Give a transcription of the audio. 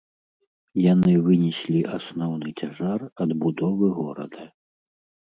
Яны вынеслі асноўны цяжар адбудовы горада.